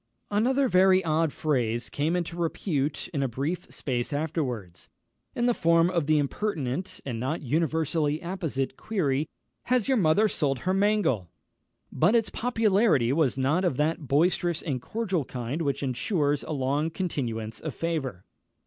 Another very odd phrase came into repute in a brief space afterwards, in the form of the impertinent and not universally apposite query, "Has your mother sold her mangle?" But its popularity was not of that boisterous and cordial kind which ensures a long continuance of favour.